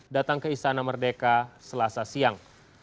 datang ke istana merdeka selasa siang